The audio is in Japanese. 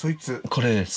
これです。